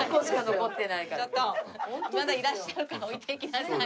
まだいらっしゃるから置いていきなさい。